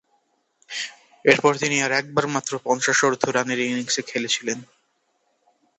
এরপর তিনি আর একবার মাত্র পঞ্চাশোর্ধ্ব রানের ইনিংসে খেলেছিলেন।